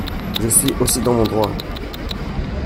Je suis aussi dans mon droit.